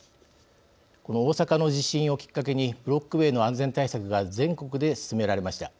この大阪の地震をきっかけにブロック塀の安全対策が全国で進められました。